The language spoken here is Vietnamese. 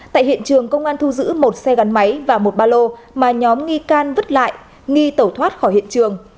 tại hiện trường công an thu giữ một xe gắn máy và một ba lô mà nhóm nghi can vứt lại nghi tẩu thoát khỏi hiện trường